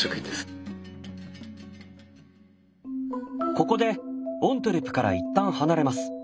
ここでオントゥレから一旦離れます。